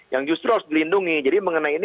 yang justru harus dilindungi jadi mengenai ini